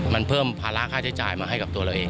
มันเพิ่มภาระค่าใช้จ่ายมาให้กับตัวเราเอง